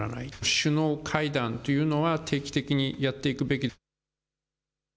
首脳会談というのは、定期的にやっていくべき。